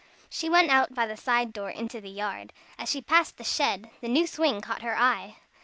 She went out by the side door into the yard. As she passed the shed, the new swing caught her eye.